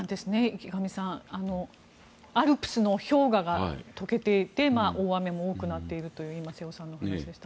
池上さん、アルプスの氷河が解けていて大雨も多くなっているという今、瀬尾さんのお話でした。